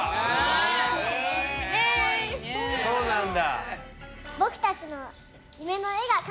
そうなんだ。